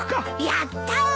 やったー！